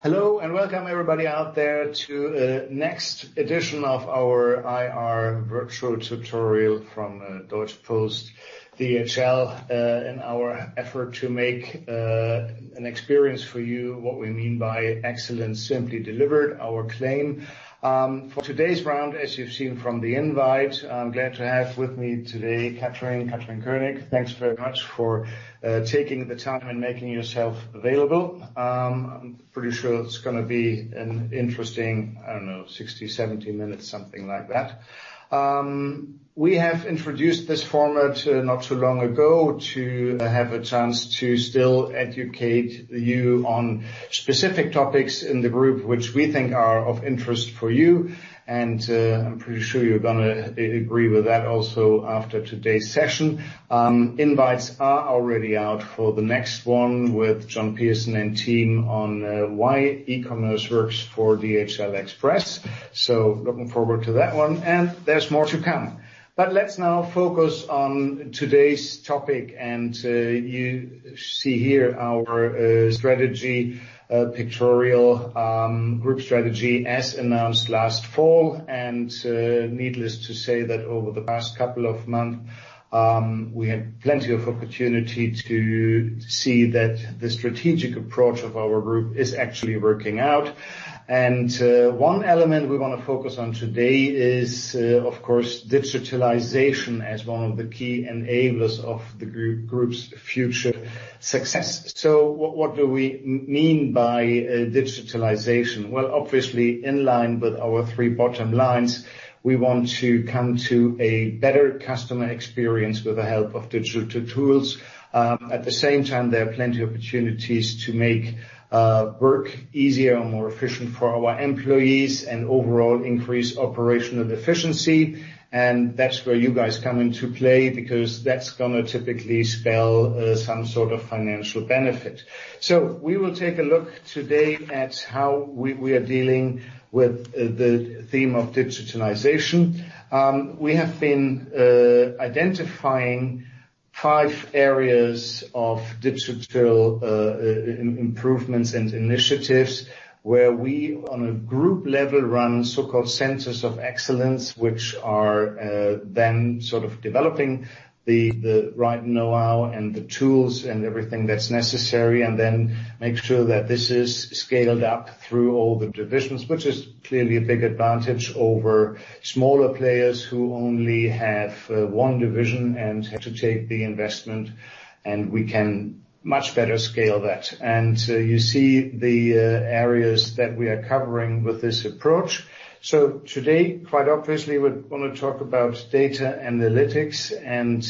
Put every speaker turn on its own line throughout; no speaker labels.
Hello, welcome everybody out there to a next edition of our IR virtual tutorial from Deutsche Post DHL, in our effort to make an experience for you what we mean by "Excellence. Simply delivered.," our claim. For today's round, as you've seen from the invite, I'm glad to have with me today Katrin König. Thanks very much for taking the time and making yourself available. I'm pretty sure it's going to be an interesting, I don't know, 60 minutes, 70 minutes, something like that. We have introduced this format not too long ago to have a chance to still educate you on specific topics in the group which we think are of interest for you. I'm pretty sure you're going to agree with that also after today's session. Invites are already out for the next one with John Pearson and team on why e-commerce works for DHL Express. Looking forward to that one, and there's more to come. Let's now focus on today's topic. You see here our strategy, pictorial group strategy as announced last fall. Needless to say that over the past couple of months, we had plenty of opportunity to see that the strategic approach of our group is actually working out. One element we want to focus on today is, of course, digitalization as one of the key enablers of the group's future success. What do we mean by digitalization? Obviously, in line with our three bottom lines, we want to come to a better customer experience with the help of digital tools. At the same time, there are plenty of opportunities to make work easier and more efficient for our employees and overall increase operational efficiency. That's where you guys come into play because that's going to typically spell some sort of financial benefit. We will take a look today at how we are dealing with the theme of digitalization. We have been identifying five areas of digital improvements and initiatives where we, on a group level, run so-called centers of excellence, which are then sort of developing the right know-how and the tools and everything that's necessary and then make sure that this is scaled up through all the divisions, which is clearly a big advantage over smaller players who only have one division and have to take the investment, and we can much better scale that. You see the areas that we are covering with this approach. Today, quite obviously, we want to talk about data analytics, and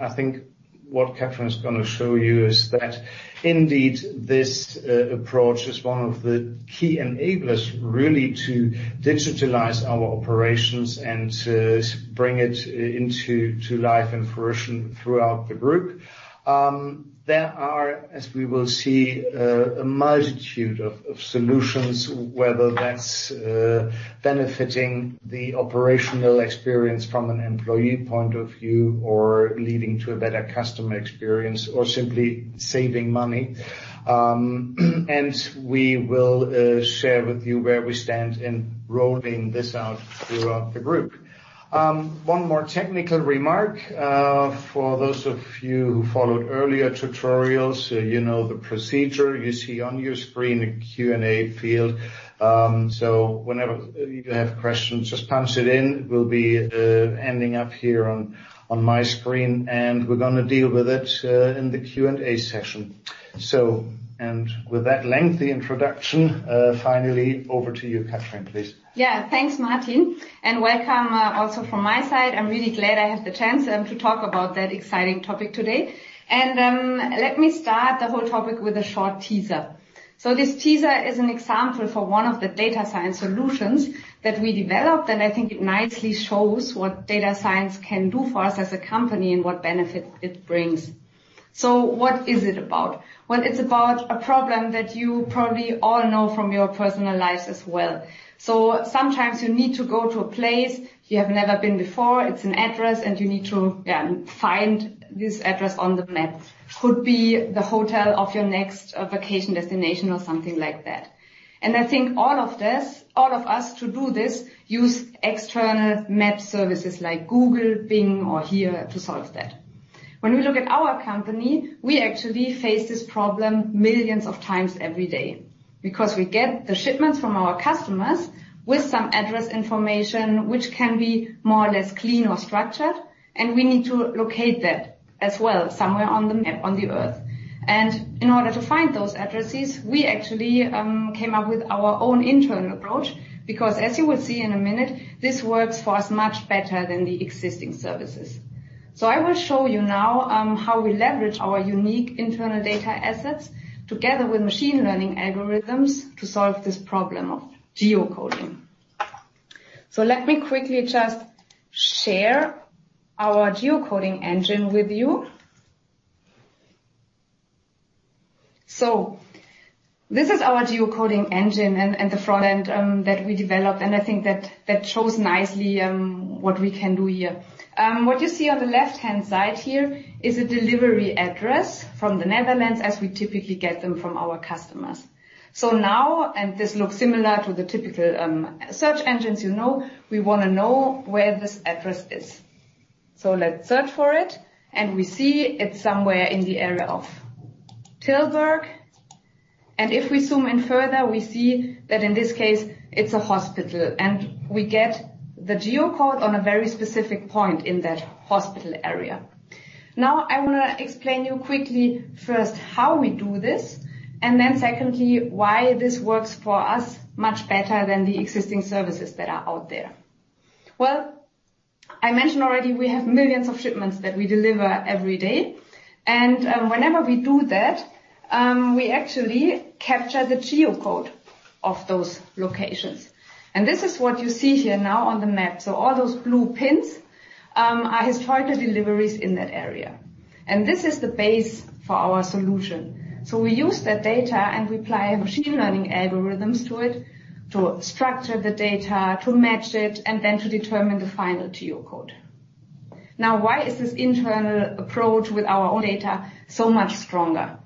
I think what Katrin is going to show you is that indeed this approach is one of the key enablers really to digitalize our operations and to bring it into life and fruition throughout the group. There are, as we will see, a multitude of solutions, whether that's benefiting the operational experience from an employee point of view or leading to a better customer experience or simply saving money. We will share with you where we stand in rolling this out throughout the group. One more technical remark. For those of you who followed earlier tutorials, you know the procedure. You see on your screen a Q&A field. Whenever you have questions, just punch it in. It will be ending up here on my screen, and we're going to deal with it in the Q&A session. With that lengthy introduction, finally, over to you, Katrin, please.
Yeah. Thanks, Martin. Welcome also from my side. I'm really glad I have the chance to talk about that exciting topic today. Let me start the whole topic with a short teaser. This teaser is an example for one of the data science solutions that we developed, and I think it nicely shows what data science can do for us as a company and what benefit it brings. What is it about? Well, it's about a problem that you probably all know from your personal lives as well. Sometimes you need to go to a place you have never been before, it's an address, and you need to find this address on the map. Could be the hotel of your next vacation destination or something like that. I think all of us to do this use external map services like Google, Bing, or HERE to solve that. When we look at our company, we actually face this problem millions of times every day because we get the shipments from our customers with some address information which can be more or less clean or structured, and we need to locate that as well, somewhere on the map on the earth. In order to find those addresses, we actually came up with our own internal approach because, as you will see in a minute, this works for us much better than the existing services. I will show you now how we leverage our unique internal data assets together with machine learning algorithms to solve this problem of geocoding. Let me quickly just share our geocoding engine with you. This is our geocoding engine and the front end that we developed, and I think that shows nicely what we can do here. What you see on the left-hand side here is a delivery address from the Netherlands, as we typically get them from our customers. Now, and this looks similar to the typical search engines you know, we want to know where this address is. Let's search for it, and we see it's somewhere in the area of Tilburg. If we zoom in further, we see that in this case it's a hospital, and we get the geocode on a very specific point in that hospital area. I want to explain you quickly first how we do this, and then secondly, why this works for us much better than the existing services that are out there. I mentioned already we have millions of shipments that we deliver every day, and whenever we do that, we actually capture the geocode of those locations. This is what you see here now on the map. All those blue pins are historical deliveries in that area. This is the base for our solution. We use that data and we apply machine learning algorithms to it to structure the data, to match it, and then to determine the final geocode. Why is this internal approach with our own data so much stronger?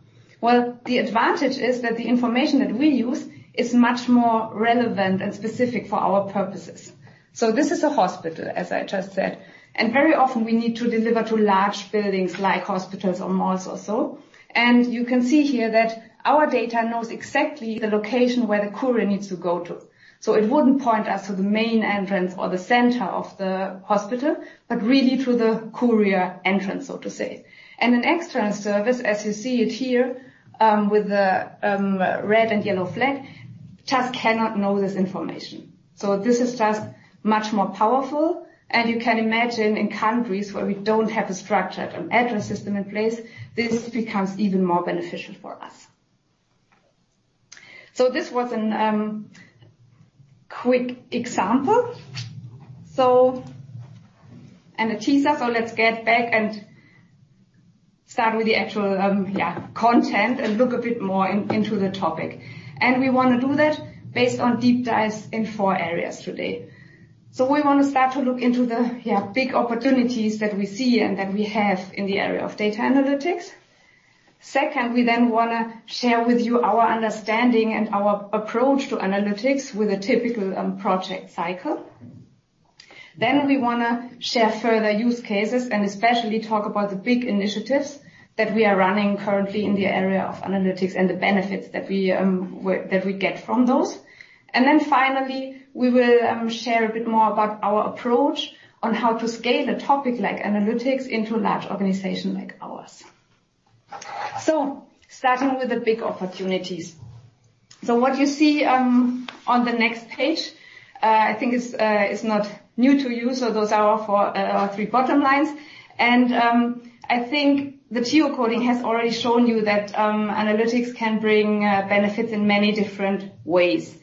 The advantage is that the information that we use is much more relevant and specific for our purposes. This is a hospital, as I just said. Very often, we need to deliver to large buildings like hospitals or malls or so. You can see here that our data knows exactly the location where the courier needs to go to. It wouldn't point us to the main entrance or the center of the hospital, but really to the courier entrance, so to say. An external service, as you see it here, with a red and yellow flag, just cannot know this information. This is just much more powerful, and you can imagine in countries where we don't have a structured address system in place, this becomes even more beneficial for us. This was a quick example and a teaser, so let's get back and start with the actual content and look a bit more into the topic. We want to do that based on deep dives in four areas today. We want to start to look into the big opportunities that we see and that we have in the area of data analytics. Second, we then want to share with you our understanding and our approach to analytics with a typical project cycle. We want to share further use cases and especially talk about the big initiatives that we are running currently in the area of analytics and the benefits that we get from those. Finally, we will share a bit more about our approach on how to scale a topic like analytics into a large organization like ours. Starting with the big opportunities. What you see on the next page, I think is not new to you. Those are our three bottom lines, and I think the geocoding has already shown you that analytics can bring benefits in many different ways.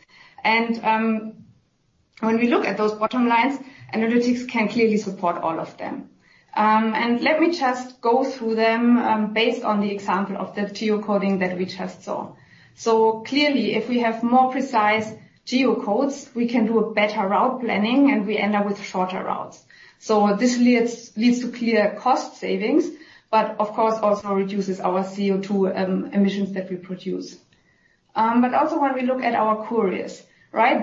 When we look at those bottom lines, analytics can clearly support all of them. Let me just go through them based on the example of the geocoding that we just saw. Clearly, if we have more precise geocodes, we can do a better route planning, and we end up with shorter routes. This leads to clear cost savings, but of course, also reduces our CO2 emissions that we produce. Also when we look at our couriers,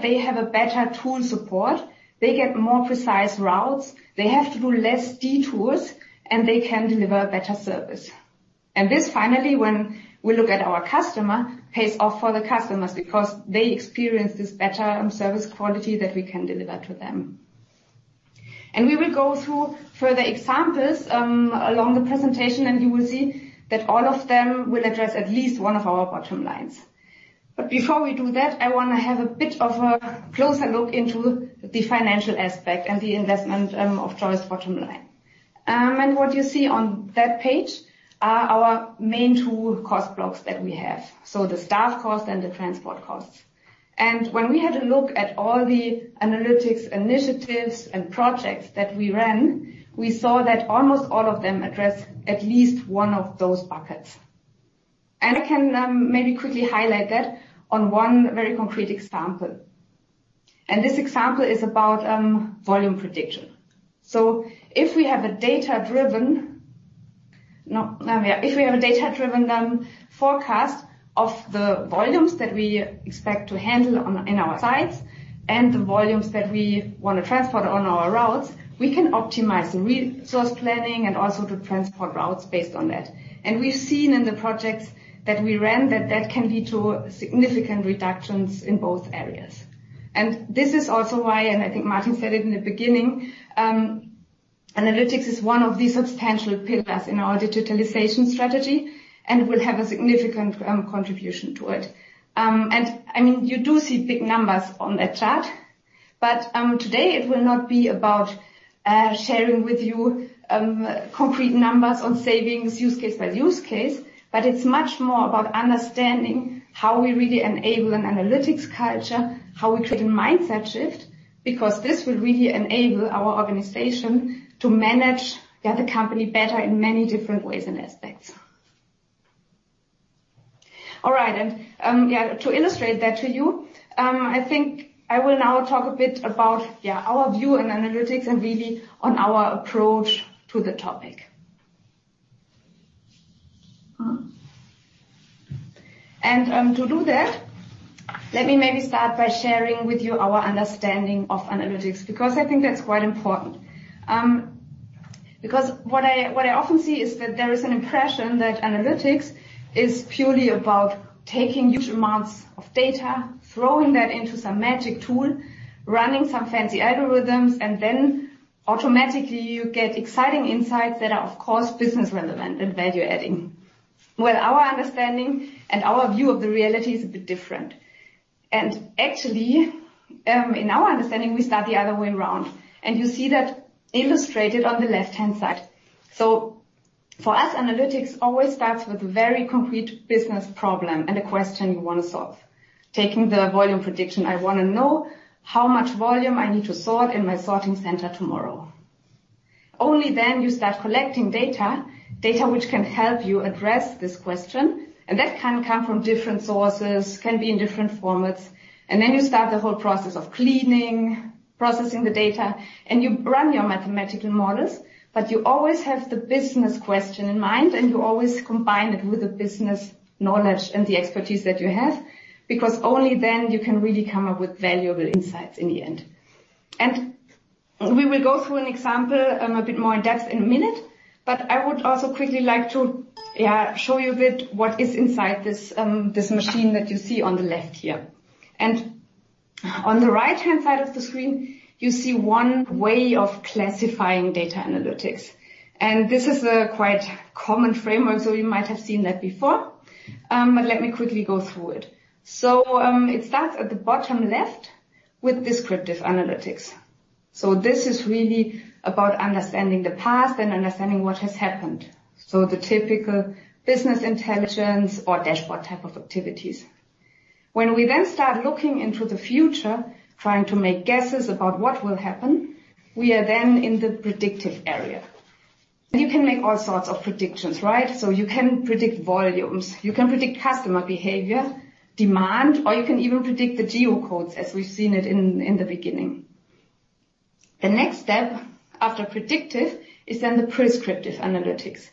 they have a better tool support. They get more precise routes. They have to do less detours, and they can deliver better service. This finally, when we look at our customer, pays off for the customers because they experience this better service quality that we can deliver to them. We will go through further examples along the presentation, and you will see that all of them will address at least one of our bottom lines. Before we do that, I want to have a bit of a closer look into the financial aspect and the investment of choice bottom line. What you see on that page are our main two cost blocks that we have. The staff cost and the transport costs. When we had a look at all the analytics initiatives and projects that we ran, we saw that almost all of them address at least one of those buckets. I can maybe quickly highlight that on one very concrete example. This example is about volume prediction. If we have a data-driven forecast of the volumes that we expect to handle in our sites and the volumes that we want to transport on our routes, we can optimize the resource planning and also the transport routes based on that. We've seen in the projects that we ran that that can lead to significant reductions in both areas. This is also why, and I think Martin said it in the beginning, analytics is one of the substantial pillars in our digitalization strategy and will have a significant contribution to it. You do see big numbers on that chart, but today it will not be about sharing with you concrete numbers on savings use case by use case, but it's much more about understanding how we really enable an analytics culture, how we create a mindset shift. This will really enable our organization to manage the overall company better in many different ways and aspects. All right. To illustrate that to you, I think I will now talk a bit about our view on analytics and really on our approach to the topic. To do that, let me maybe start by sharing with you our understanding of analytics, because I think that's quite important. Because what I often see is that there is an impression that analytics is purely about taking huge amounts of data, throwing that into some magic tool, running some fancy algorithms, and then automatically you get exciting insights that are, of course, business relevant and value-adding. Well, our understanding and our view of the reality is a bit different. Actually, in our understanding, we start the other way around, and you see that illustrated on the left-hand side. For us, analytics always starts with a very concrete business problem and a question you want to solve. Taking the volume prediction, I want to know how much volume I need to sort in my sorting center tomorrow. Only then you start collecting data, data which can help you address this question, and that can come from different sources, can be in different formats. Then you start the whole process of cleaning, processing the data, and you run your mathematical models. You always have the business question in mind, and you always combine it with the business knowledge and the expertise that you have, because only then you can really come up with valuable insights in the end. We will go through an example a bit more in depth in a minute, but I would also quickly like to show you a bit what is inside this machine that you see on the left here. On the right-hand side of the screen, you see one way of classifying data analytics. This is a quite common framework, so you might have seen that before. Let me quickly go through it. It starts at the bottom left with descriptive analytics. This is really about understanding the past and understanding what has happened. The typical business intelligence or dashboard type of activities. When we then start looking into the future, trying to make guesses about what will happen, we are then in the predictive area. You can make all sorts of predictions. You can predict volumes, you can predict customer behavior, demand, or you can even predict the geocodes as we've seen it in the beginning. The next step after predictive is then the prescriptive analytics.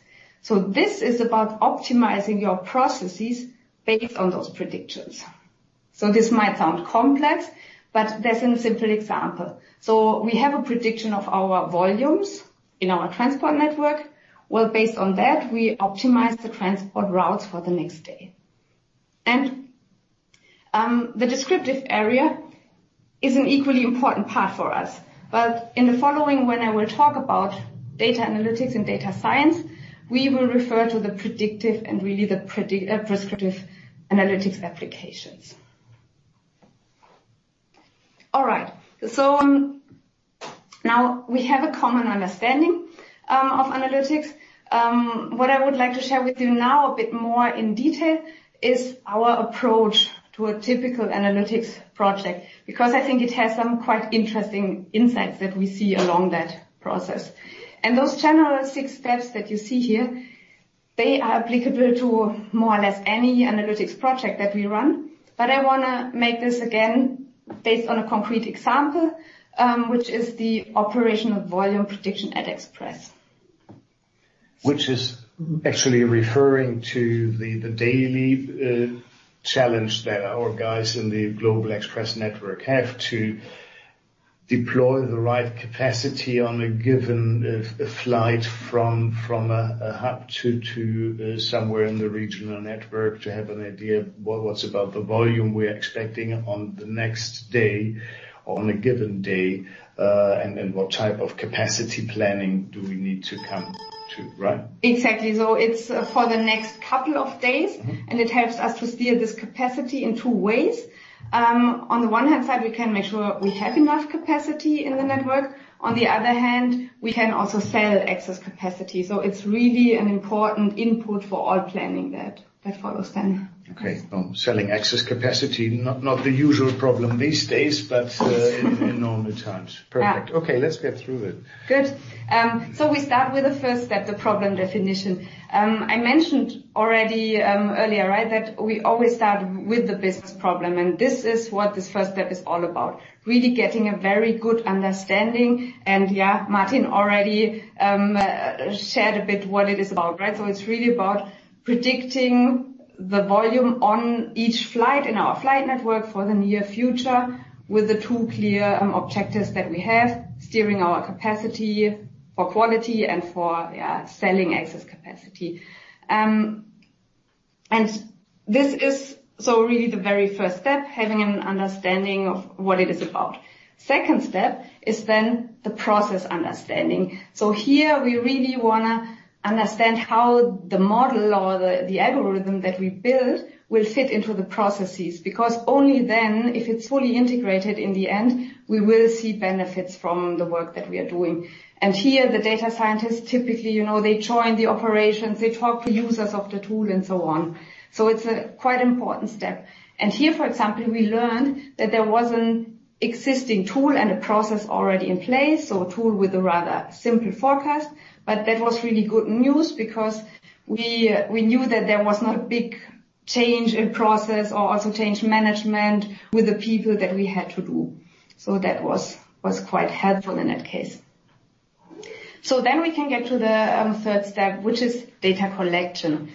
This is about optimizing your processes based on those predictions. This might sound complex, but there's a simple example. We have a prediction of our volumes in our transport network. Well, based on that, we optimize the transport routes for the next day. The descriptive area is an equally important part for us. In the following, when I will talk about data analytics and data science, we will refer to the predictive and really the prescriptive analytics applications. All right. Now, we have a common understanding of analytics. What I would like to share with you now a bit more in detail is our approach to a typical analytics project, because I think it has some quite interesting insights that we see along that process. Those general six steps that you see here, they are applicable to more or less any analytics project that we run. I want to make this again based on a concrete example, which is the operational volume prediction at Express.
Which is actually referring to the daily challenge that our guys in the Global Express network have to deploy the right capacity on a given flight from a hub to somewhere in the regional network to have an idea what's about the volume we're expecting on the next day or on a given day, and what type of capacity planning do we need to come to, right?
Exactly. It's for the next couple of days, and it helps us to steer this capacity in two ways. On the one hand side, we can make sure we have enough capacity in the network. On the other hand, we can also sell excess capacity. It's really an important input for all planning that follows then.
Selling excess capacity, not the usual problem these days, but in normal times.
Yeah.
Perfect. Okay, let's get through it.
Good. We start with the first step, the problem definition. I mentioned already earlier, that we always start with the business problem, and this is what this first step is all about, really getting a very good understanding. Martin already shared a bit what it is about. It's really about predicting the volume on each flight in our flight network for the near future with the two clear objectives that we have, steering our capacity for quality and for selling excess capacity. This is so really the very first step, having an understanding of what it is about. Second step is the process understanding. Here we really want to understand how the model or the algorithm that we build will fit into the processes, because only then, if it's fully integrated in the end, we will see benefits from the work that we are doing. Here, the data scientists, typically, they join the operations, they talk to users of the tool and so on. It's a quite important step. Here, for example, we learned that there was an existing tool and a process already in place, so a tool with a rather simple forecast. That was really good news because we knew that there was not a big change in process or also change management with the people that we had to do. That was quite helpful in that case. Then we can get to the third step, which is data collection.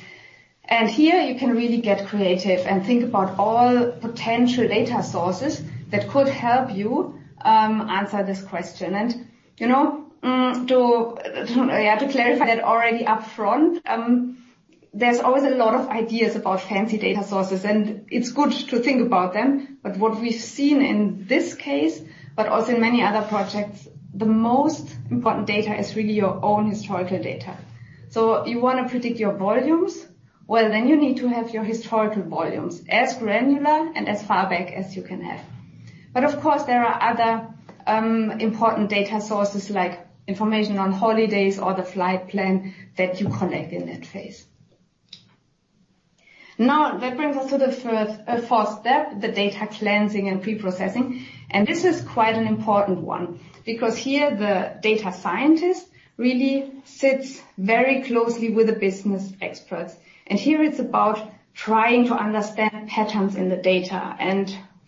Here, you can really get creative and think about all potential data sources that could help you answer this question. To clarify that already up front, there's always a lot of ideas about fancy data sources, and it's good to think about them. What we've seen in this case, but also in many other projects, the most important data is really your own historical data. You want to predict your volumes? Well, you need to have your historical volumes as granular and as far back as you can have. Of course, there are other important data sources, like information on holidays or the flight plan that you collect in that phase. That brings us to the fourth step, the data cleansing and preprocessing. This is quite an important one because here the data scientist really sits very closely with the business experts. Here, it's about trying to understand patterns in the data.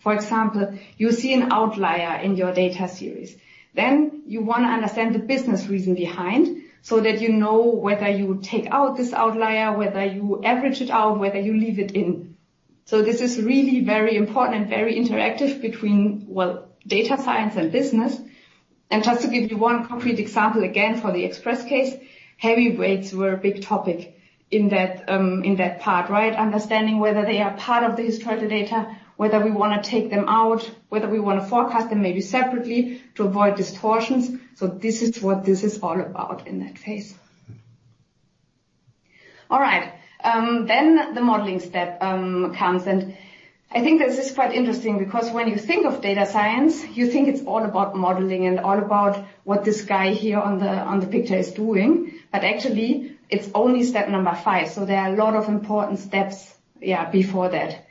For example, you see an outlier in your data series. You want to understand the business reason behind so that you know whether you take out this outlier, whether you average it out, whether you leave it in. This is really very important and very interactive between, well, data science and business. Just to give you one concrete example, again for the Express case, heavy weights were a big topic in that part, right? Understanding whether they are part of the historical data, whether we want to take them out, whether we want to forecast them maybe separately to avoid distortions. This is what this is all about in that phase. All right, the modeling step comes, and I think this is quite interesting because when you think of data science, you think it's all about modeling and all about what this guy here on the picture is doing. Actually it's only step number five. There are a lot of important steps, yeah, before that.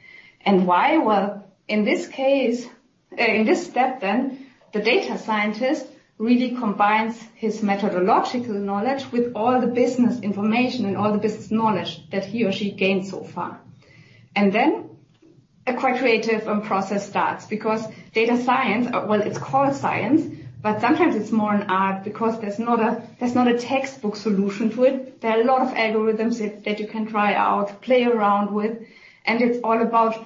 Why? Well, in this step then, the data scientist really combines his methodological knowledge with all the business information and all the business knowledge that he or she gained so far. A quite creative process starts because data science, well, it's called science, sometimes it's more an art because there's not a textbook solution to it. There are a lot of algorithms that you can try out, play around with, it's all about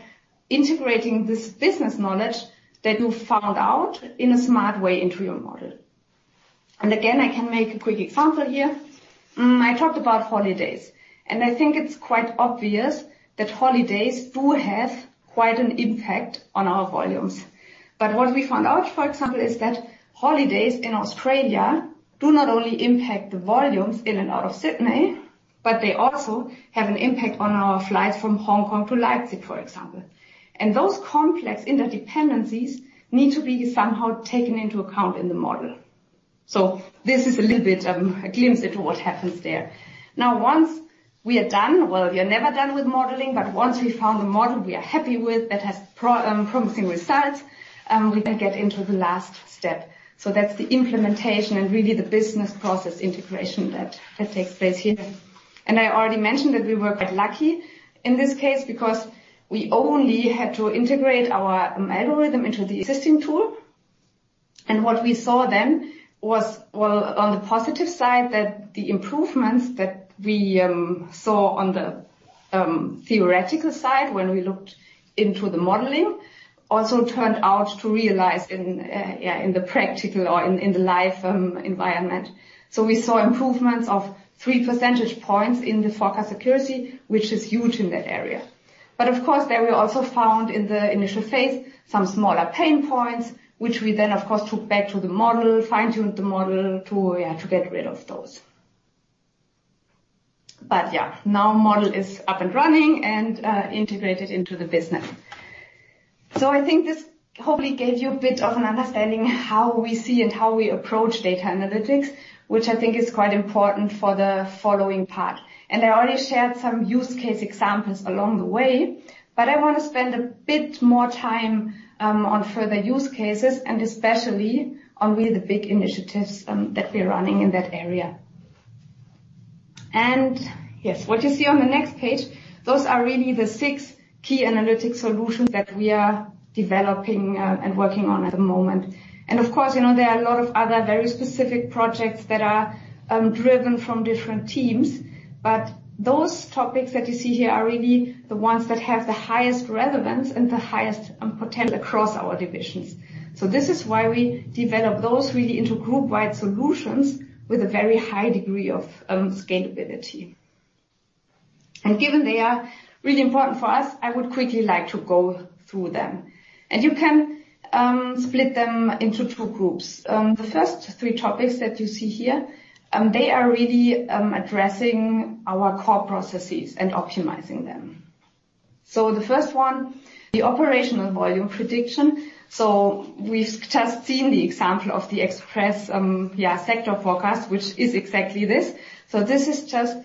integrating this business knowledge that you found out in a smart way into your model. Again, I can make a quick example here. I talked about holidays, and I think it's quite obvious that holidays do have quite an impact on our volumes. What we found out, for example, is that holidays in Australia do not only impact the volumes in and out of Sydney, but they also have an impact on our flights from Hong Kong to Leipzig, for example. Those complex interdependencies need to be somehow taken into account in the model. This is a little bit of a glimpse into what happens there. Once we are done, well, we are never done with modeling, but once we found a model we are happy with that has promising results, we then get into the last step. That's the implementation and really the business process integration that takes place here. I already mentioned that we were quite lucky in this case because we only had to integrate our algorithm into the existing tool. What we saw then was, well, on the positive side, that the improvements that we saw on the theoretical side when we looked into the modeling also turned out to realize in the practical or in the live environment. We saw improvements of 3 percentage points in the forecast accuracy, which is huge in that area. Of course there we also found in the initial phase some smaller pain points, which we then of course took back to the model, fine-tuned the model to get rid of those. Yeah, now model is up and running and integrated into the business. I think this hopefully gave you a bit of an understanding how we see and how we approach data analytics, which I think is quite important for the following part. I already shared some use case examples along the way, but I want to spend a bit more time on further use cases and especially on really the big initiatives that we're running in that area. Yes, what you see on the next page, those are really the six key analytic solutions that we are developing and working on at the moment. Of course, there are a lot of other very specific projects that are driven from different teams. Those topics that you see here are really the ones that have the highest relevance and the highest potential across our divisions. This is why we develop those really into group-wide solutions with a very high degree of scalability. Given they are really important for us, I would quickly like to go through them. You can split them into two groups. The first three topics that you see here, they are really addressing our core processes and optimizing them. The first one, the operational volume prediction. We've just seen the example of the Express sector forecast, which is exactly this. This is just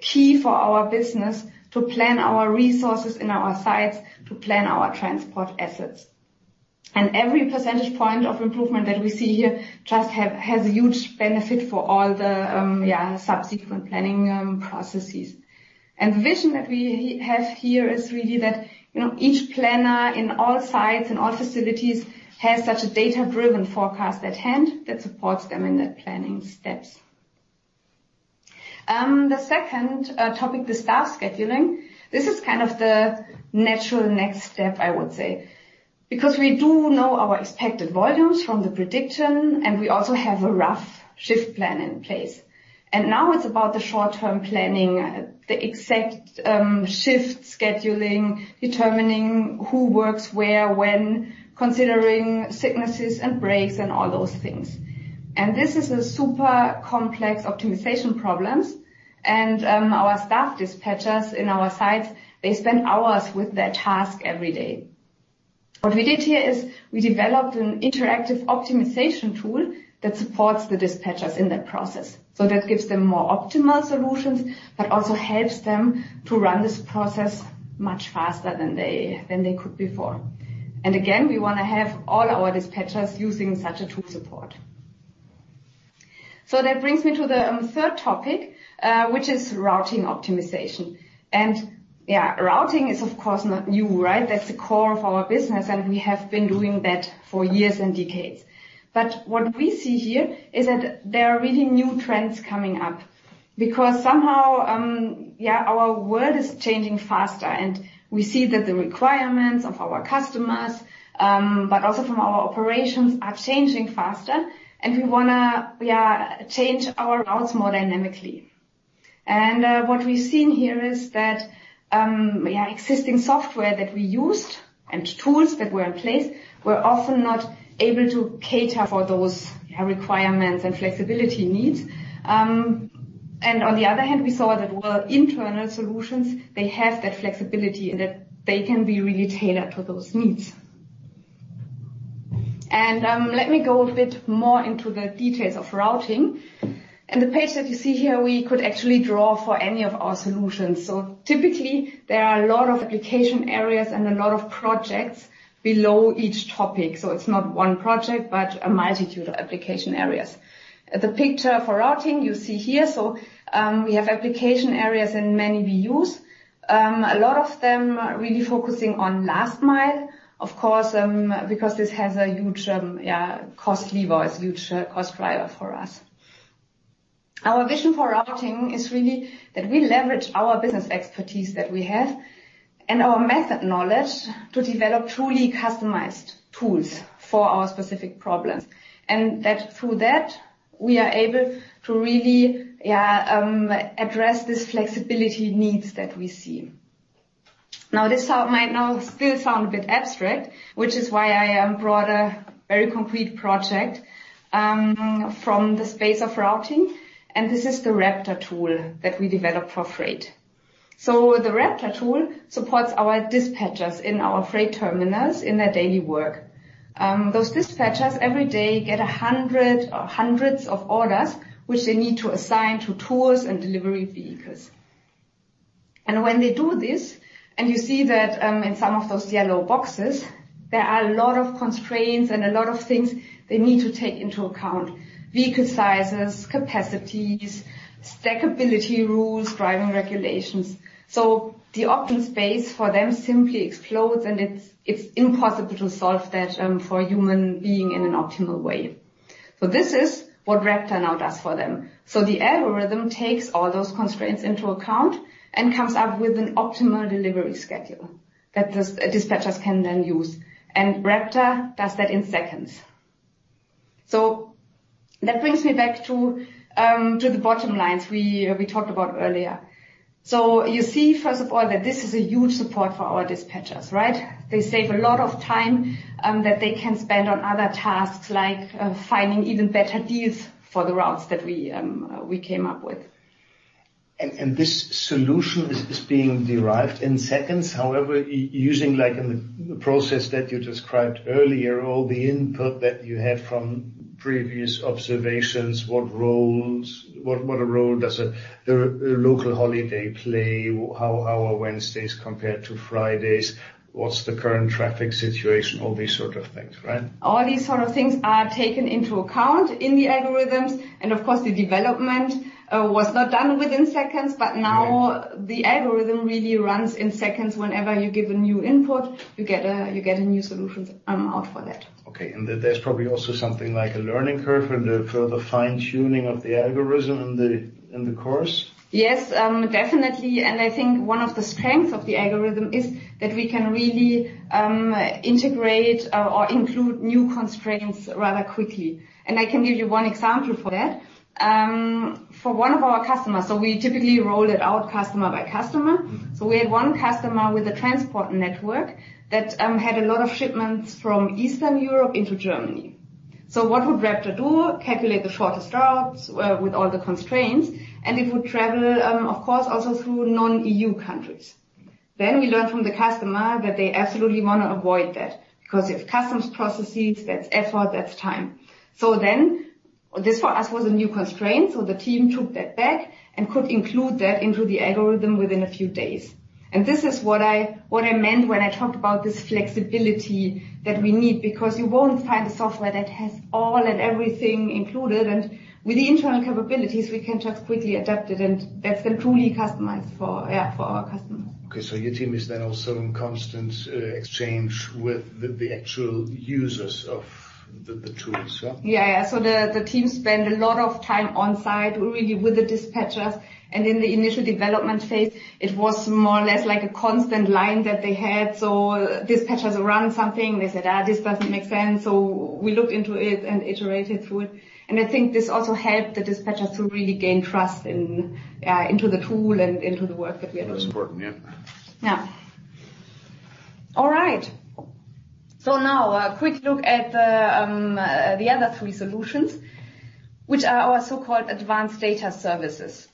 key for our business to plan our resources in our sites, to plan our transport assets. Every percentage point of improvement that we see here just has a huge benefit for all the subsequent planning processes. The vision that we have here is really that each planner in all sites and all facilities has such a data-driven forecast at hand that supports them in their planning steps. The second topic, the staff scheduling. This is the natural next step, I would say, because we do know our expected volumes from the prediction, and we also have a rough shift plan in place. Now it's about the short-term planning, the exact shift scheduling, determining who works where, when, considering sicknesses and breaks and all those things. This is a super complex optimization problem. Our staff dispatchers in our sites, they spend hours with that task every day. What we did here is we developed an interactive optimization tool that supports the dispatchers in that process. That gives them more optimal solutions, but also helps them to run this process much faster than they could before. Again, we want to have all our dispatchers using such a tool support. That brings me to the third topic, which is routing optimization. Routing is, of course, not new. That's the core of our business, and we have been doing that for years and decades. What we see here is that there are really new trends coming up because somehow, our world is changing faster, and we see that the requirements of our customers, but also from our operations, are changing faster, and we want to change our routes more dynamically. What we've seen here is that existing software that we used and tools that were in place were often not able to cater for those requirements and flexibility needs. On the other hand, we saw that our internal solutions, they have that flexibility and that they can be really tailored to those needs. Let me go a bit more into the details of routing. The page that you see here, we could actually draw for any of our solutions. Typically, there are a lot of application areas and a lot of projects below each topic. It's not one project, but a multitude of application areas. The picture for routing, you see here. We have application areas and many we use. A lot of them really focusing on last mile, of course, because this has a huge cost lever, it's huge cost driver for us. Our vision for routing is really that we leverage our business expertise that we have and our method knowledge to develop truly customized tools for our specific problems. Through that, we are able to really address this flexibility needs that we see. Now, this might now still sound a bit abstract, which is why I brought a very complete project from the space of routing, and this is the RaptOR tool that we developed for freight. The RaptOR tool supports our dispatchers in our freight terminals in their daily work. Those dispatchers, every day get a hundred or hundreds of orders, which they need to assign to tours and delivery vehicles. When they do this, and you see that in some of those yellow boxes, there are a lot of constraints and a lot of things they need to take into account. Vehicle sizes, capacities, stackability rules, driving regulations. The option space for them simply explodes, and it's impossible to solve that for a human being in an optimal way. This is what RaptOR now does for them. The algorithm takes all those constraints into account and comes up with an optimal delivery schedule that the dispatchers can then use. RaptOR does that in seconds. That brings me back to the bottom lines we talked about earlier. You see, first of all, that this is a huge support for our dispatchers. They save a lot of time that they can spend on other tasks, like finding even better deals for the routes that we came up with.
This solution is being derived in seconds. However, using the process that you described earlier, all the input that you had from previous observations, what a role does a local holiday play? How are Wednesdays compared to Fridays? What's the current traffic situation? All these sort of things, right?
All these sort of things are taken into account in the algorithms, and of course, the development was not done within seconds, but now the algorithm really runs in seconds. Whenever you give a new input, you get a new solution out for that.
Okay. There's probably also something like a learning curve and further fine-tuning of the algorithm in the course.
Yes, definitely. I think one of the strengths of the algorithm is that we can really integrate or include new constraints rather quickly. I can give you one example for that. For one of our customers, we typically roll it out customer by customer. We had one customer with a transport network that had a lot of shipments from Eastern Europe into Germany. What would RaptOR do? Calculate the shortest routes with all the constraints, and it would travel, of course, also through non-EU countries. We learned from the customer that they absolutely want to avoid that because if customs processes, that's effort, that's time. This for us was a new constraint. The team took that back and could include that into the algorithm within a few days. This is what I meant when I talked about this flexibility that we need because you won't find a software that has all and everything included. With the internal capabilities, we can just quickly adapt it, and that's then truly customized for our customers.
Okay. Your team is then also in constant exchange with the actual users of the tools, yeah?
Yeah. The team spent a lot of time on-site, really with the dispatchers. In the initial development phase, it was more or less like a constant line that they had. Dispatchers run something, they said, "This doesn't make sense." We looked into it and iterated through it. I think this also helped the dispatchers to really gain trust into the tool and into the work that we are doing.
That's important, yeah.
Yeah. All right. Now a quick look at the other three solutions, which are our so-called advanced data services.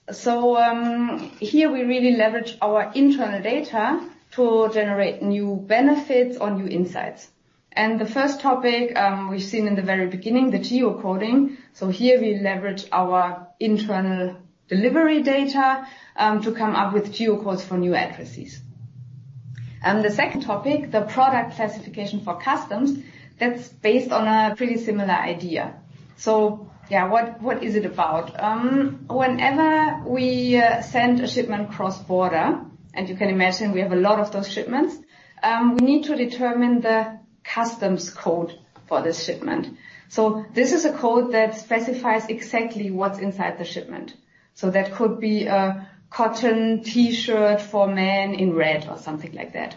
Here we really leverage our internal data to generate new benefits or new insights. The first topic, we've seen in the very beginning, the geocoding. Here we leverage our internal delivery data, to come up with geocodes for new addresses. The second topic, the product classification for customs, that's based on a pretty similar idea. Yeah, what is it about? Whenever we send a shipment across border, and you can imagine we have a lot of those shipments, we need to determine the customs code for this shipment. This is a code that specifies exactly what's inside the shipment. That could be a cotton t-shirt for men in red or something like that.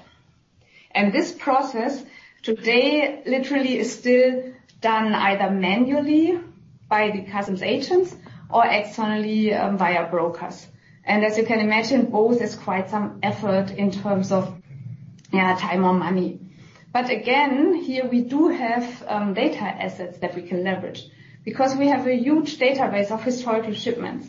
This process today literally is still done either manually by the customs agents or externally via brokers. As you can imagine, both is quite some effort in terms of time or money. Again, here we do have data assets that we can leverage because we have a huge database of historical shipments.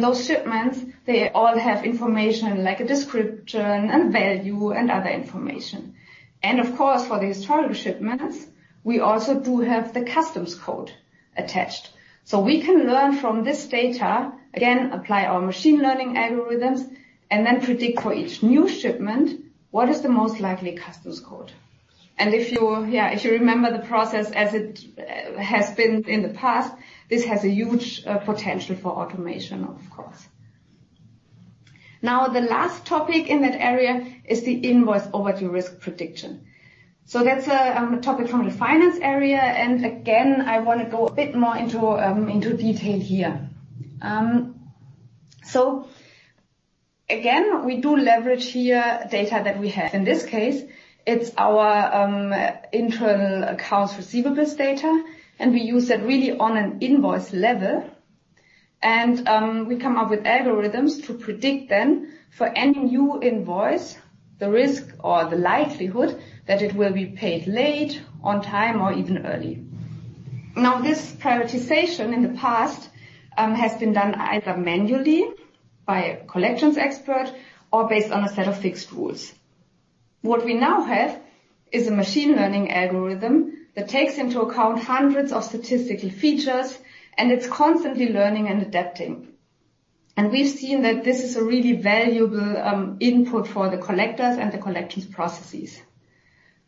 Those shipments, they all have information like a description and value and other information. Of course, for the historical shipments, we also do have the customs code attached. We can learn from this data, again, apply our machine learning algorithms, and then predict for each new shipment what is the most likely customs code. If you remember the process as it has been in the past, this has a huge potential for automation, of course. Now, the last topic in that area is the invoice overdue risk prediction. That's a topic from the finance area, and again, I want to go a bit more into detail here. Again, we do leverage here data that we have. In this case, it's our internal accounts receivable data, and we use that really on an invoice level. We come up with algorithms to predict then for any new invoice, the risk or the likelihood that it will be paid late, on time, or even early. Now, this prioritization in the past has been done either manually by a collections expert or based on a set of fixed rules. What we now have is a machine learning algorithm that takes into account hundreds of statistical features, and it's constantly learning and adapting. We've seen that this is a really valuable input for the collectors and the collections processes.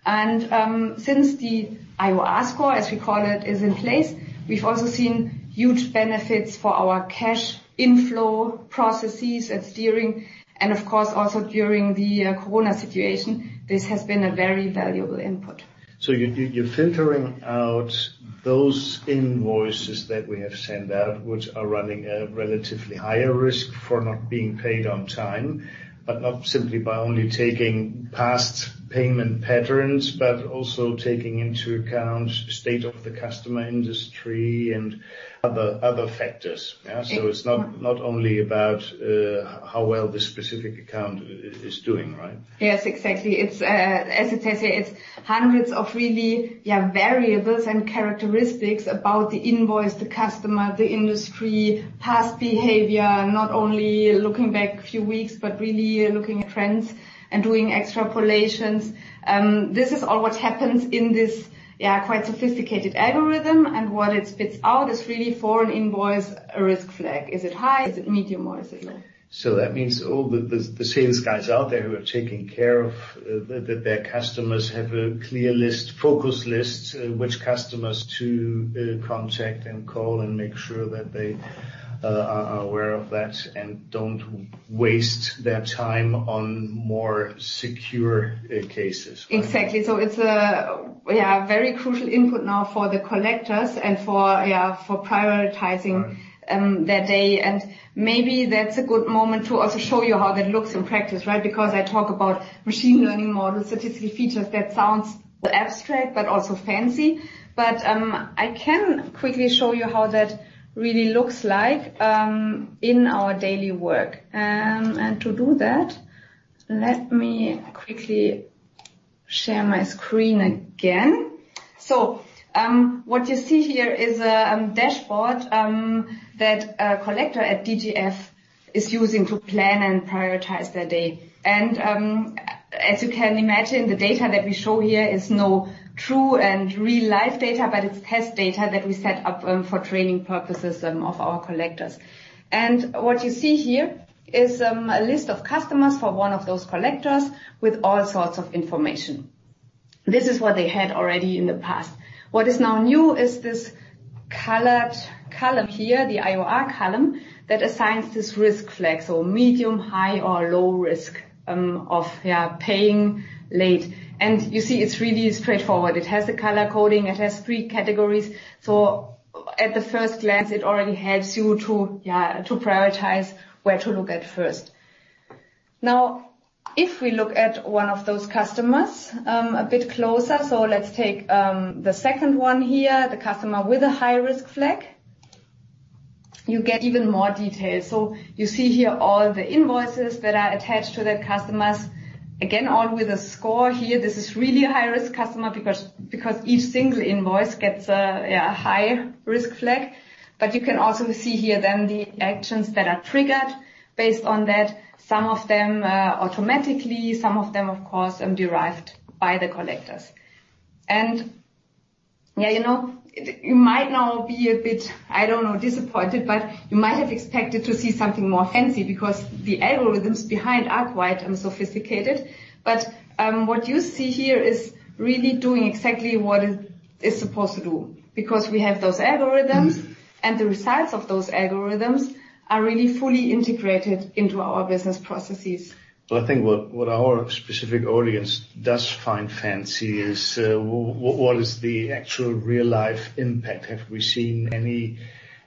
Since the IOR score, as we call it, is in place, we've also seen huge benefits for our cash inflow processes and steering, and of course, also during the corona situation, this has been a very valuable input.
You're filtering out those invoices that we have sent out, which are running a relatively higher risk for not being paid on time, but not simply by only taking past payment patterns, but also taking into account state of the customer industry and other factors. Yeah? It's not only about how well this specific account is doing, right?
Yes, exactly. As it says here, it's hundreds of really variables and characteristics about the invoice, the customer, the industry, past behavior, not only looking back a few weeks, but really looking at trends and doing extrapolations. This is all what happens in this quite sophisticated algorithm. What it spits out is really for an invoice risk flag. Is it high? Is it medium? Or is it low?
That means all the sales guys out there who are taking care of their customers have a clear list, focus list, which customers to contact and call and make sure that they are aware of that and don't waste their time on more secure cases.
Exactly. It's a very crucial input now for the collectors and for prioritizing their day. Maybe that's a good moment to also show you how that looks in practice, right? Because I talk about machine learning models, statistical features. That sounds abstract, but also fancy. I can quickly show you how that really looks like in our daily work. To do that, let me quickly share my screen again. What you see here is a dashboard that a collector at DGF is using to plan and prioritize their day. As you can imagine, the data that we show here is no true and real life data, but it's test data that we set up for training purposes of our collectors. What you see here is a list of customers for one of those collectors with all sorts of information. This is what they had already in the past. What is now new is this colored column here, the IOR column, that assigns this risk flag, so medium, high, or low risk of paying late. You see it's really straightforward. It has the color coding. It has three categories. At the first glance, it already helps you to prioritize where to look at first. If we look at one of those customers a bit closer, let's take the second one here, the customer with a high-risk flag. You get even more details. You see here all the invoices that are attached to their customers. Again, all with a score here. This is really a high-risk customer because each single invoice gets a high-risk flag. You can also see here then the actions that are triggered based on that. Some of them automatically, some of them, of course, are derived by the collectors. You might now be a bit, I don't know, disappointed, but you might have expected to see something more fancy because the algorithms behind are quite sophisticated. What you see here is really doing exactly what it is supposed to do. Because we have those algorithms, and the results of those algorithms are really fully integrated into our business processes.
Well, I think what our specific audience does find fancy is, what is the actual real-life impact? Have we seen any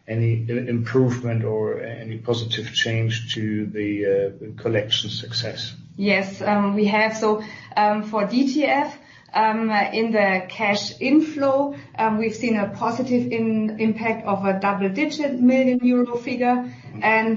improvement or any positive change to the collection success?
Yes. We have. For DGF, in the cash inflow, we've seen a positive impact of a double-digit million euro figure. On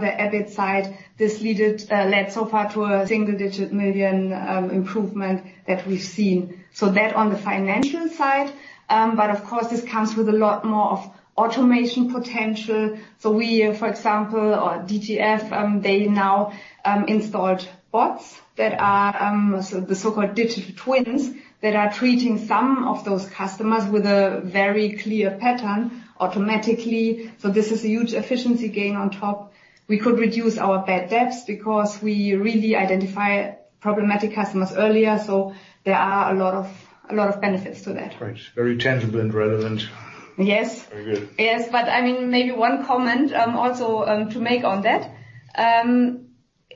the EBIT side, this led so far to a single-digit million improvement that we've seen. That on the financial side, but of course, this comes with a lot more of automation potential. We, for example, or DGF, they now installed bots that are the so-called digital twins that are treating some of those customers with a very clear pattern automatically. This is a huge efficiency gain on top. We could reduce our bad debts because we really identify problematic customers earlier. There are a lot of benefits to that.
Right. Very tangible and relevant.
Yes.
Very good.
Yes, maybe one comment also to make on that.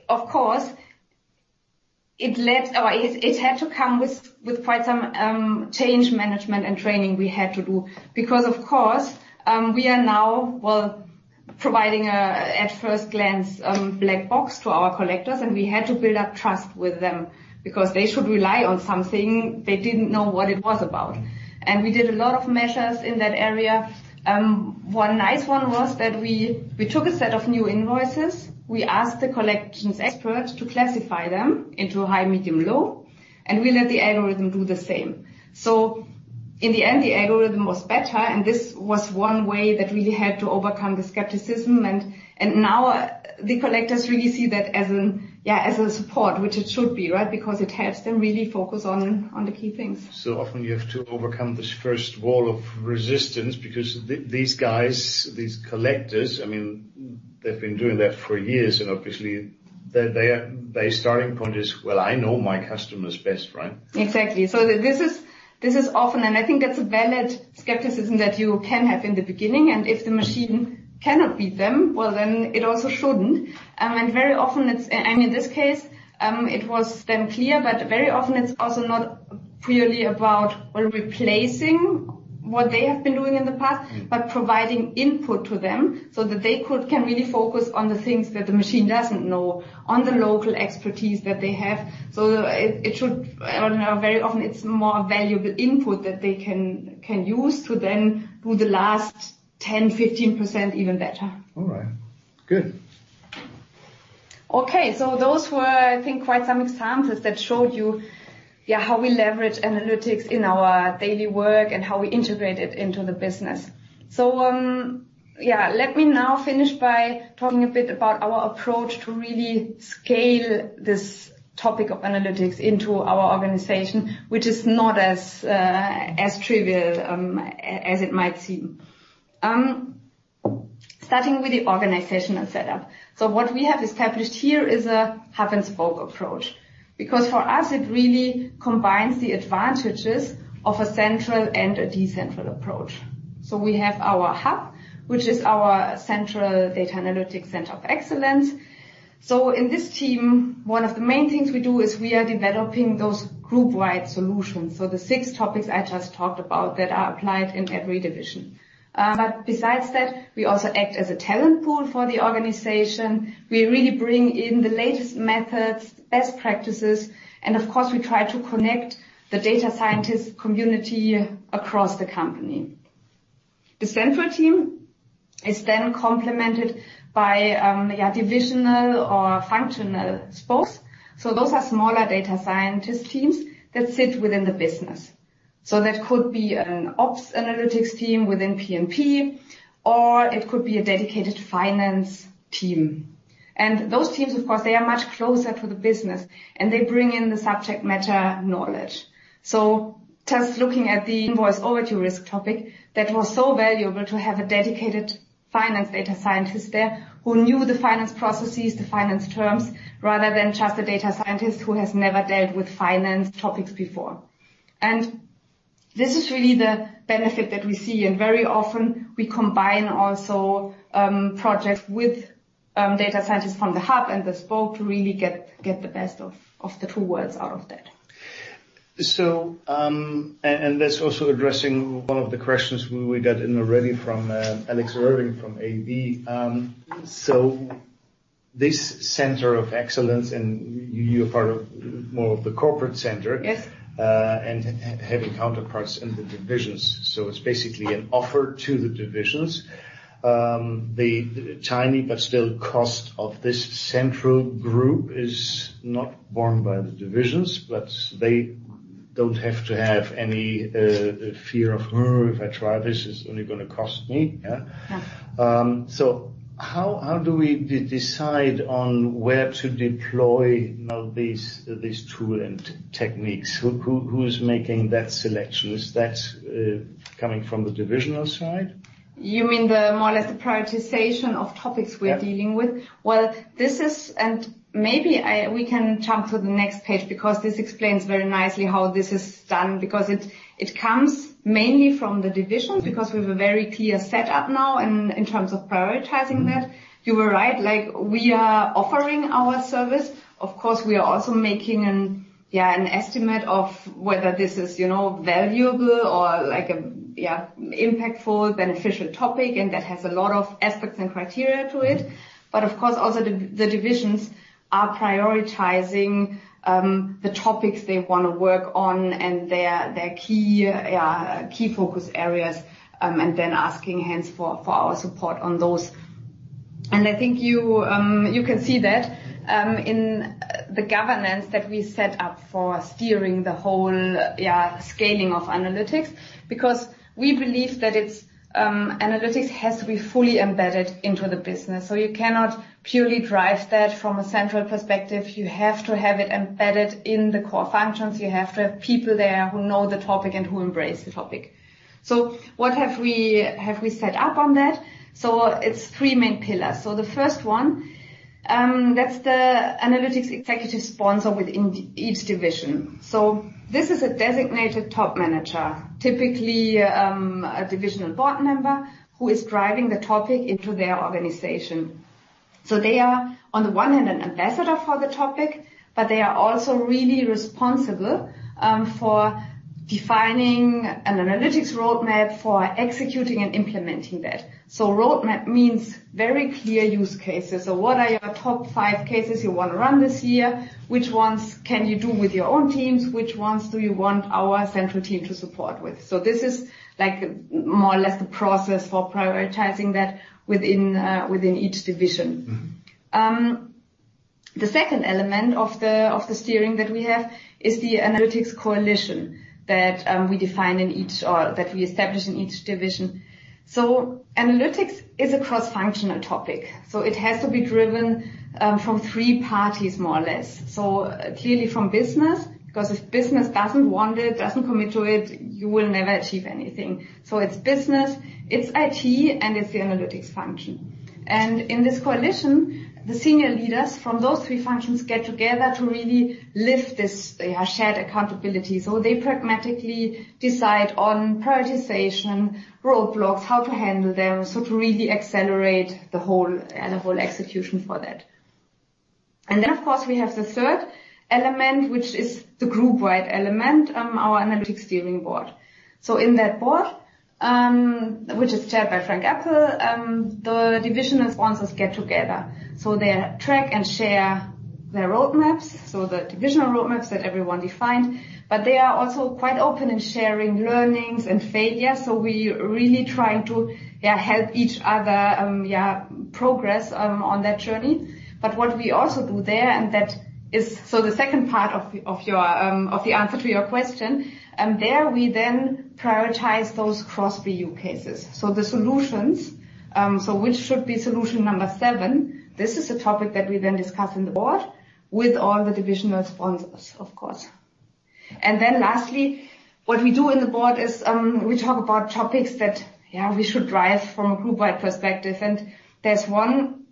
Of course, it had to come with quite some change management and training we had to do. Of course, we are now, well, providing a, at first glance, black box to our collectors, and we had to build up trust with them because they should rely on something they didn't know what it was about. We did a lot of measures in that area. One nice one was that we took a set of new invoices. We asked the collections experts to classify them into high, medium, low, and we let the algorithm do the same. In the end, the algorithm was better, and this was one way that really helped to overcome the skepticism. Now the collectors really see that as a support, which it should be, right? It helps them really focus on the key things.
Often you have to overcome this first wall of resistance because these guys, these collectors, they've been doing that for years, and obviously, their starting point is, "Well, I know my customers best," right?
Exactly. This is often, and I think that's a valid skepticism that you can have in the beginning. If the machine cannot beat them, well, then it also shouldn't. In this case, it was then clear, but very often it's also not purely about replacing what they have been doing in the past, but providing input to them so that they can really focus on the things that the machine doesn't know, on the local expertise that they have. Very often it's more valuable input that they can use to then do the last 10%, 15% even better.
All right. Good.
Okay. Those were, I think, quite some examples that showed you how we leverage analytics in our daily work and how we integrate it into the business. Let me now finish by talking a bit about our approach to really scale this topic of analytics into our organization, which is not as trivial as it might seem. Starting with the organizational setup. What we have established here is a hub-and-spoke approach. Because for us, it really combines the advantages of a central and a decentral approach. We have our hub, which is our central data analytics center of excellence. In this team, one of the main things we do is we are developing those group-wide solutions. The six topics I just talked about that are applied in every division. Besides that, we also act as a talent pool for the organization. We really bring in the latest methods, best practices. Of course, we try to connect the data scientist community across the company. The central team is then complemented by divisional or functional spokes. Those are smaller data scientist teams that sit within the business. That could be an ops analytics team within P&P, or it could be a dedicated finance team. Those teams, of course, they are much closer to the business, and they bring in the subject matter knowledge. Just looking at the invoice overdue risk topic, that was so valuable to have a dedicated finance data scientists there who knew the finance processes, the finance terms, rather than just a data scientist who has never dealt with finance topics before. This is really the benefit that we see, and very often we combine also projects with data scientists from the hub and the spoke to really get the best of the two worlds out of that.
That's also addressing one of the questions we got in already from Alex Irving from AB. This center of excellence, and you're part of more of the corporate center.
Yes.
Having counterparts in the divisions. It's basically an offer to the divisions. The tiny but still cost of this central group is not borne by the divisions, but they don't have to have any fear of, "If I try this, it's only gonna cost me." Yeah.
Yeah.
How do we decide on where to deploy now these tool and techniques? Who is making that selection? Is that coming from the divisional side?
You mean more or less the prioritization of topics we're dealing with?
Yeah.
Well, this is. Maybe we can jump to the next page because this explains very nicely how this is done. It comes mainly from the divisions, because we have a very clear setup now in terms of prioritizing that. You were right, we are offering our service. Of course, we are also making an estimate of whether this is valuable or impactful, beneficial topic, and that has a lot of aspects and criteria to it. Of course, also the divisions are prioritizing the topics they want to work on and their key focus areas, and then asking hence for our support on those. I think you can see that in the governance that we set up for steering the whole scaling of analytics, because we believe that analytics has to be fully embedded into the business. You cannot purely drive that from a central perspective. You have to have it embedded in the core functions. You have to have people there who know the topic and who embrace the topic. What have we set up on that? It's three main pillars. The first one, that's the analytics executive sponsor within each division. This is a designated top manager, typically a divisional board member, who is driving the topic into their organization. They are on the one hand, an ambassador for the topic, but they are also really responsible for defining an analytics roadmap for executing and implementing that. Roadmap means very clear use cases. What are your top five cases you want to run this year? Which ones can you do with your own teams? Which ones do you want our central team to support with? This is more or less the process for prioritizing that within each division. The second element of the steering that we have is the analytics coalition that we establish in each division. Analytics is a cross-functional topic, it has to be driven from three parties, more or less. Clearly from business, because if business doesn't want it, doesn't commit to it, you will never achieve anything. It's business, it's IT, and it's the analytics function. In this coalition, the senior leaders from those three functions get together to really lift this shared accountability. They pragmatically decide on prioritization, roadblocks, how to handle them. To really accelerate the whole execution for that. Of course, we have the third element, which is the group-wide element, our analytics steering board. In that board, which is chaired by Frank Appel, the divisional sponsors get together. They track and share their roadmaps, so the divisional roadmaps that everyone defined, but they are also quite open in sharing learnings and failures. We really trying to help each other progress on that journey. What we also do there, So the second part of the answer to your question, there we then prioritize those cross use cases. The solutions, so which should be solution number seven, this is a topic that we then discuss in the board with all the divisional sponsors, of course. Lastly, what we do in the board is, we talk about topics that we should drive from a group-wide perspective. There's one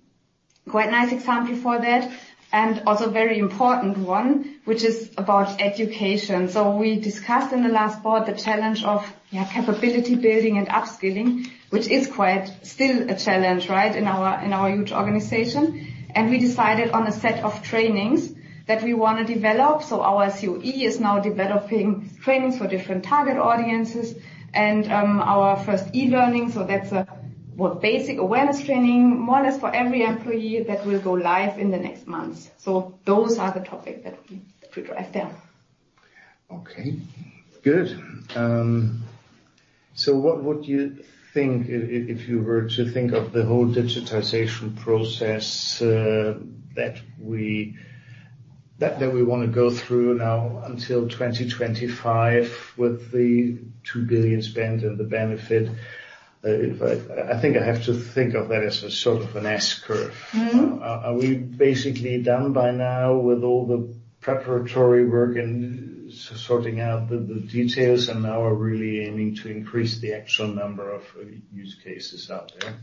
quite nice example for that, and also very important one, which is about education. We discussed in the last board the challenge of capability building and upskilling, which is quite still a challenge in our huge organization. We decided on a set of trainings that we want to develop. Our COE is now developing trainings for different target audiences and our first e-learning. That's a basic awareness training, more or less for every employee that will go live in the next months. Those are the topic that we could drive there.
Okay, good. What would you think if you were to think of the whole digitization process that we want to go through now until 2025 with the 2 billion spend and the benefit? I think I have to think of that as a sort of an S-curve. Are we basically done by now with all the preparatory work and sorting out the details and now we're really aiming to increase the actual number of use cases out there?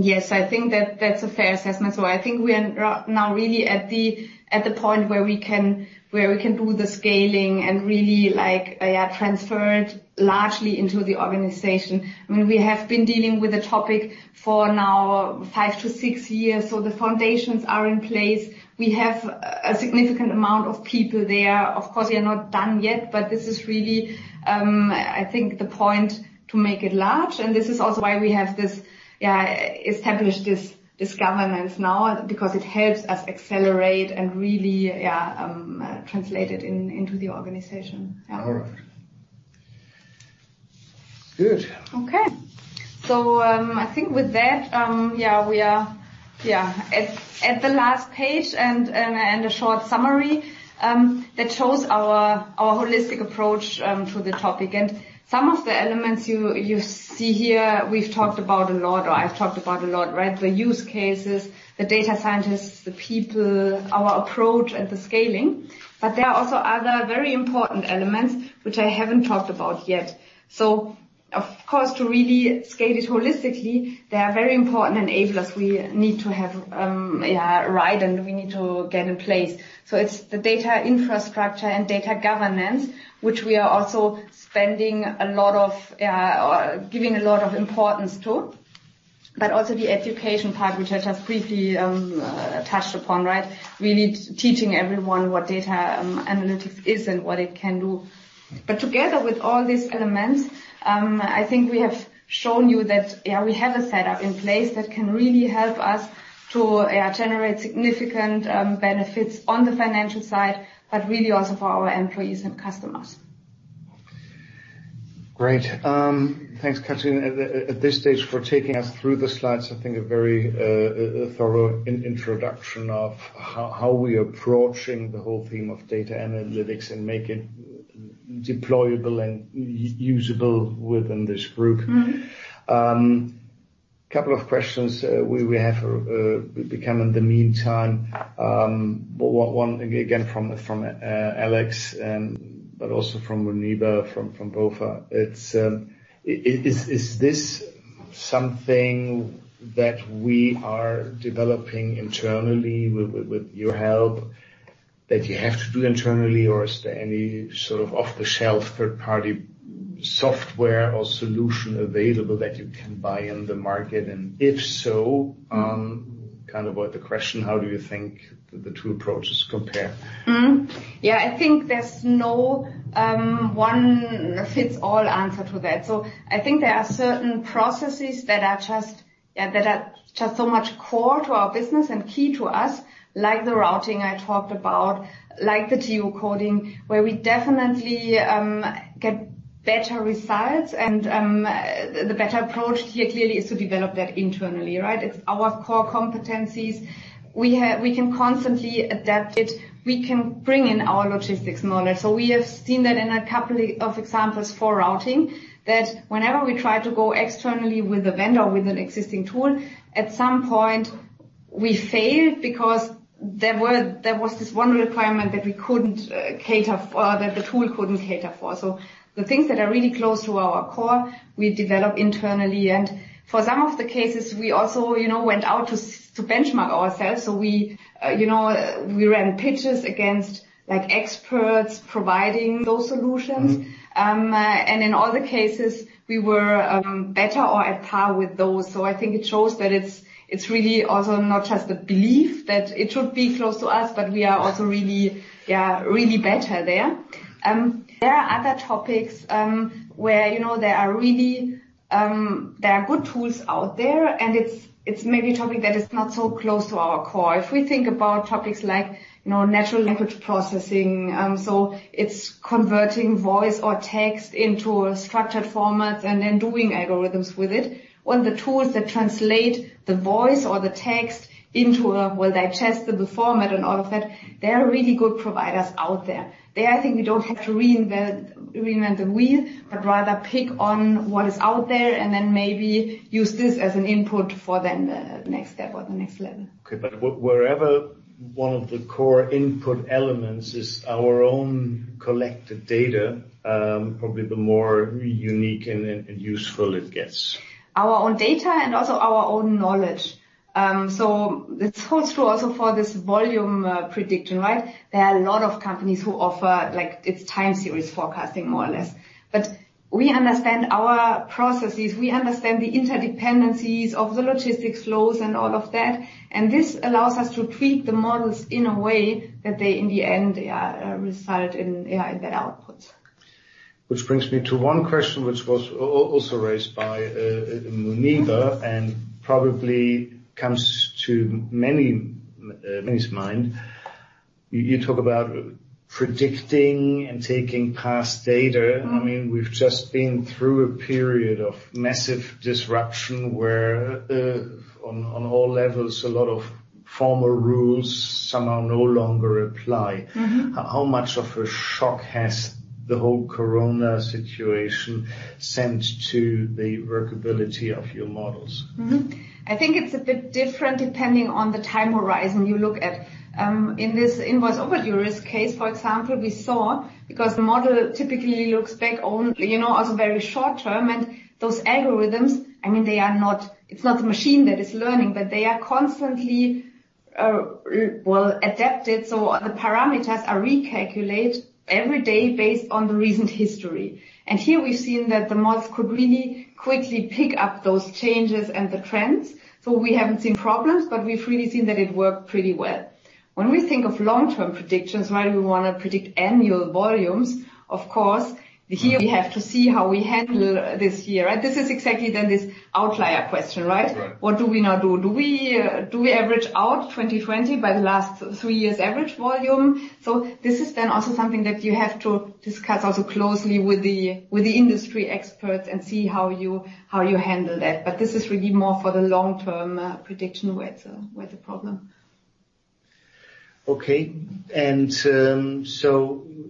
Yes, I think that's a fair assessment. I think we are now really at the point where we can do the scaling and really transfer it largely into the organization. We have been dealing with the topic for now five to six years, so the foundations are in place. We have a significant amount of people there. Of course, we are not done yet, but this is really, I think, the point to make it large, and this is also why we have established this governance now because it helps us accelerate and really translate it into the organization. Yeah.
All right. Good.
Okay. I think with that, we are at the last page and a short summary that shows our holistic approach to the topic. Some of the elements you see here, we've talked about a lot, or I've talked about a lot. The use cases, the data scientists, the people, our approach, and the scaling. There are also other very important elements which I haven't talked about yet. Of course, to really scale it holistically, they are very important enablers we need to have, and we need to get in place. It's the data infrastructure and data governance, which we are also giving a lot of importance to, but also the education part, which I just briefly touched upon. Really teaching everyone what data analytics is and what it can do. Together with all these elements, I think we have shown you that we have a setup in place that can really help us to generate significant benefits on the financial side, but really also for our employees and customers.
Great. Thanks, Katrin, at this stage for taking us through the slides. I think a very thorough introduction of how we're approaching the whole theme of data analytics and make it deployable and usable within this group. A couple of questions we have come in the meantime. One again from Alex, but also from Muneeba, from BofA. Is this something that we are developing internally with your help, that you have to do internally, or is there any sort of off-the-shelf third-party software or solution available that you can buy in the market? If so, the question, how do you think the two approaches compare?
Yeah, I think there's no one-fits-all answer to that. I think there are certain processes that are just so much core to our business and key to us, like the routing I talked about, like the geocoding, where we definitely get better results. The better approach here clearly is to develop that internally. It's our core competencies. We can constantly adapt it. We can bring in our logistics model. We have seen that in a couple of examples for routing, that whenever we try to go externally with a vendor or with an existing tool, at some point we fail because there was this one requirement that the tool couldn't cater for. The things that are really close to our core, we develop internally. For some of the cases, we also went out to benchmark ourselves. We ran pitches against experts providing those solutions. In all the cases, we were better or at par with those. I think it shows that it's really also not just the belief that it should be close to us, but we are also really better there. There are other topics, where there are good tools out there, and it's maybe a topic that is not so close to our core. If we think about topics like natural language processing, so it's converting voice or text into a structured format and then doing algorithms with it. On the tools that translate the voice or the text into a, well, digestible format and all of that, there are really good providers out there. There, I think we don't have to reinvent the wheel, but rather pick on what is out there and then maybe use this as an input for then the next step or the next level.
Okay. Wherever one of the core input elements is our own collected data, probably the more unique and useful it gets.
Our own data and also our own knowledge. This holds true also for this volume prediction. There are a lot of companies who offer like it's time series forecasting, more or less. We understand our processes, we understand the interdependencies of the logistics flows and all of that, and this allows us to tweak the models in a way that they, in the end, result in that output.
Which brings me to one question, which was also raised by Muneeba, and probably comes to many's mind. You talk about predicting and taking past data. We've just been through a period of massive disruption where on all levels, a lot of former rules somehow no longer apply. How much of a shock has the whole corona situation sent to the workability of your models?
Mm-hmm. I think it's a bit different depending on the time horizon you look at. In this invoice open risk case, for example, we saw, because the model typically looks back only, as a very short term, and those algorithms, it's not the machine that is learning, but they are constantly well adapted. The parameters are recalculated every day based on the recent history. Here, we've seen that the models could really quickly pick up those changes and the trends. We haven't seen problems, but we've really seen that it worked pretty well. When we think of long-term predictions, right? We want to predict annual volumes. Of course, here we have to see how we handle this year, right? This is exactly then this outlier question, right?
Right.
What do we now do? Do we average out 2020 by the last three years' average volume? This is then also something that you have to discuss also closely with the industry experts and see how you handle that. This is really more for the long-term prediction with the problem.
Okay.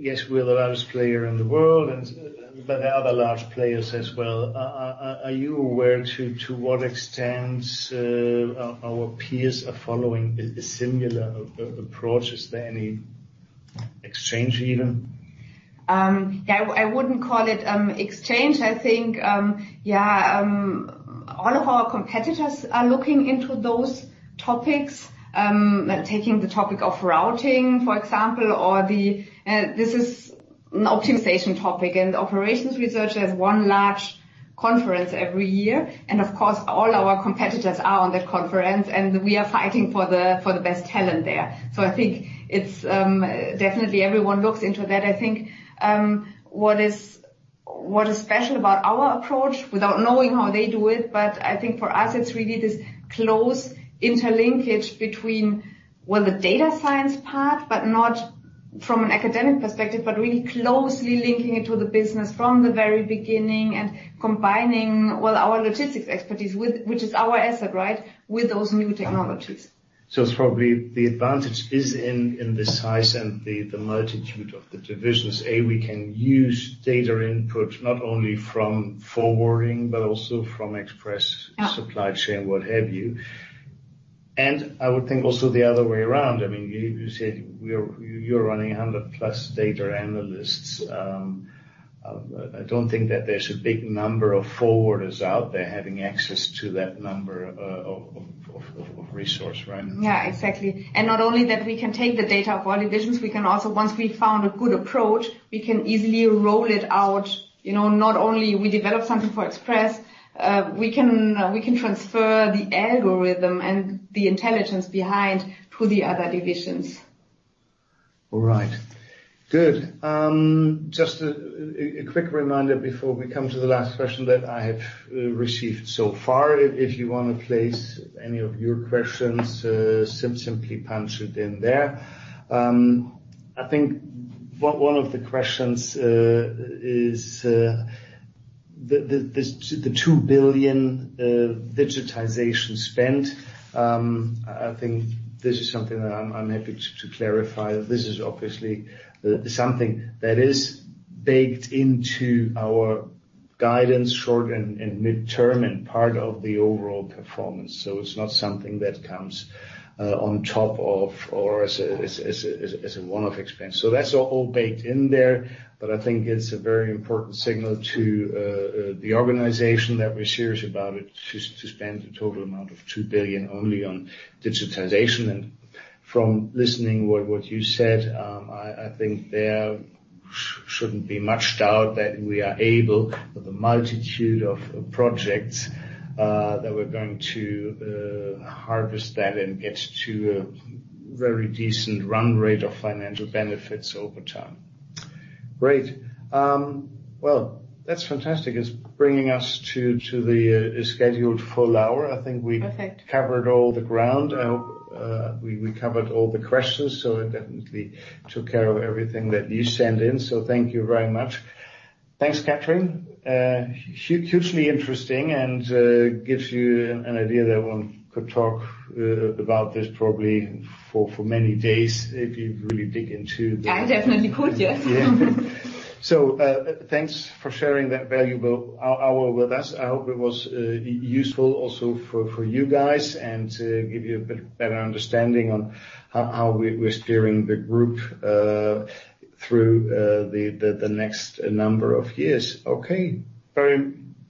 Yes, we're the largest player in the world, but there are other large players as well. Are you aware to what extent our peers are following a similar approach? Is there any exchange even?
I wouldn't call it exchange. All of our competitors are looking into those topics. Taking the topic of routing, for example, this is an optimization topic, and operations research has one large conference every year. Of course, all our competitors are on that conference, and we are fighting for the best talent there. It's definitely everyone looks into that. What is special about our approach without knowing how they do it, but for us it's really this close interlinkage between, well, the data science part, but not from an academic perspective, but really closely linking it to the business from the very beginning and combining with our logistics expertise, which is our asset, right, with those new technologies.
It's probably the advantage is in the size and the multitude of the divisions. We can use data input not only from forwarding but also from Express supply chain, what have you. I would think also the other way around. You said you're running 100+ data analysts. I don't think that there's a big number of forwarders out there having access to that number of resource, right?
Yeah, exactly. Not only that we can take the data of our divisions, we can also, once we've found a good approach, we can easily roll it out. Not only we develop something for Express, we can transfer the algorithm and the intelligence behind to the other divisions.
All right. Good. Just a quick reminder before we come to the last question that I have received so far. If you want to place any of your questions, simply punch it in there. I think one of the questions is the EUR 2 billion digitization spend. I think this is something that I'm happy to clarify. This is obviously something that is baked into our guidance short and midterm and part of the overall performance. It's not something that comes on top of or as a one-off expense. That's all baked in there, but I think it's a very important signal to the organization that we're serious about it, to spend a total amount of 2 billion only on digitization. From listening what you said, I think there shouldn't be much doubt that we are able, with a multitude of projects, that we're going to harvest that and get to a very decent run rate of financial benefits over time. Great. Well, that's fantastic. It's bringing us to the scheduled full hour.
Perfect.
I think we covered all the ground. I hope we covered all the questions, so I definitely took care of everything that you sent in. Thank you very much. Thanks, Katrin. Hugely interesting and gives you an idea that one could talk about this probably for many days if you really dig into.
I definitely could, yes.
Thanks for sharing that valuable hour with us. I hope it was useful also for you guys and to give you a better understanding on how we're steering the group through the next number of years. Okay.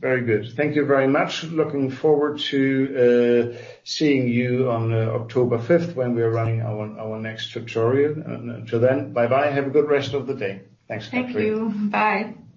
Very good. Thank you very much. Looking forward to seeing you on October 5th when we're running our next tutorial. Until then, bye-bye. Have a good rest of the day. Thanks, Katrin.
Thank you. Bye.